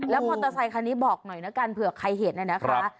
มอเตอร์ไซคันนี้บอกหน่อยแล้วกันเผื่อใครเห็นน่ะนะคะ